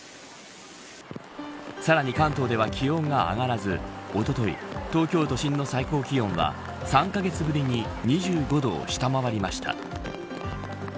さらに関東では、気温が上がらずおととい、東京都心の最高気温は３カ月ぶりに２５度を下回りました。